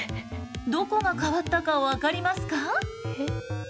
どこが変わったか分かりますか？